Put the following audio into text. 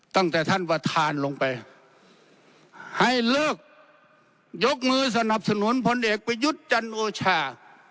ตั้งแต่ท่านประธานลงไปให้เลิกยกมือสนับสนุนพลเอกประยุทธ์จันโอชา